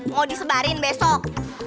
mau disebarin besok